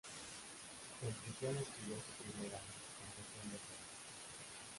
En prisión escribió su primera "Confesión de fe".